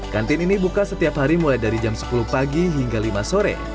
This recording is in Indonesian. kantin ini buka setiap hari mulai dari jam sepuluh pagi hingga lima sore